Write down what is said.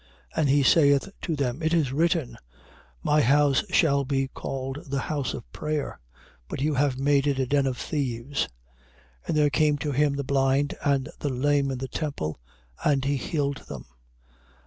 21:13. And he saith to them: It is written, My house shall be called the house of prayer; but you have made it a den of thieves. 21:14. And there came to him the blind and the lame in the temple: and he healed them.